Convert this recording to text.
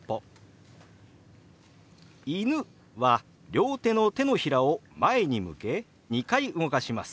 「犬」は両手の手のひらを前に向け２回動かします。